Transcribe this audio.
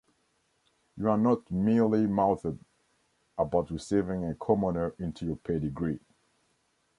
You are not mealy-mouthed about receiving a commoner into your pedigree.